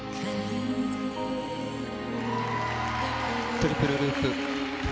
トリプルループ。